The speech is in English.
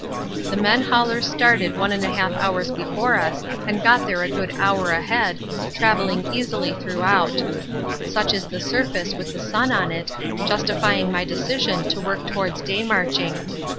The men haulers started 1 1/2 hours before us and got here a good hour ahead, travelling easily throughout. Such is the surface with the sun on it, justifying my decision to work towards day marching.